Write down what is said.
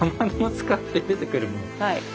はい。